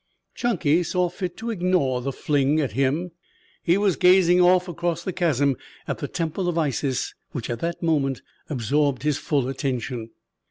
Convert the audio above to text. Chunky saw fit to ignore the fling at him. He was gazing off across the chasm at the Temple of Isis, which at that moment absorbed his full attention.